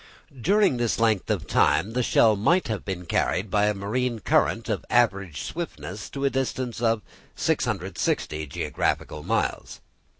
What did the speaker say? During this length of time the shell might have been carried by a marine country of average swiftness to a distance of 660 geographical miles.